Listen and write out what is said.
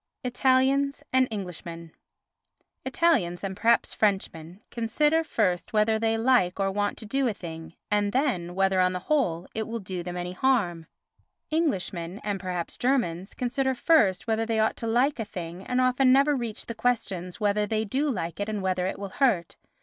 Italians and Englishmen Italians, and perhaps Frenchmen, consider first whether they like or want to do a thing and then whether, on the whole, it will do them any harm. Englishmen, and perhaps Germans, consider first whether they ought to like a thing and often never reach the questions whether they do like it and whether it will hurt.